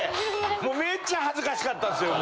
もうめっちゃ恥ずかしかったですよ